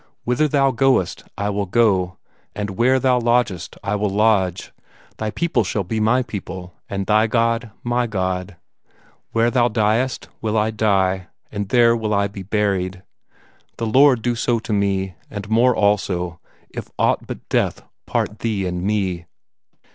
'Whither thou goest, I will go, and where thou lodgest I will lodge; thy people shall be my people, and thy God my God; where thou diest, will I die, and there will I be buried. The Lord do so to me, and more also, if aught but death part thee and me!'"